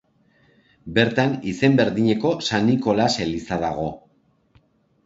Bertan izen berdineko San Nikolas eliza dago.